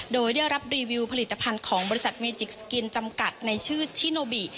โดยได้รับรีวิวผลิตภัณฑ์ของบริษัทเมจิกสกินจำกัดในชื่อชิโนบิ